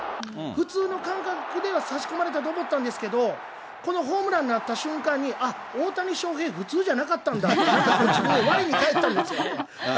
普通の感覚では差し込まれたと思ったんですけど、このホームランになった瞬間に、あっ、大谷翔平、普通じゃなかったんだと、われにかえったんですよ。